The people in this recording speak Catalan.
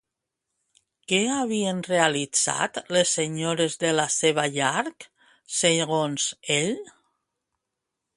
Què havien realitzat les senyores de la seva llar segons ell?